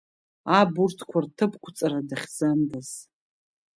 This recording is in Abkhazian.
Аб урҭқәа рҭыԥқәҵара дахьӡандаз!